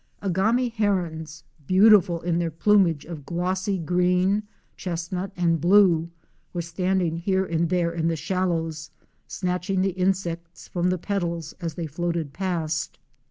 Agami Herons," beautiful in their plumage of glossy green, chestnut and blue, were standing here and there in Fic. 90. SCENE ON THE BARRABARRA. the shallows snatching the insects from the petals as they floated past.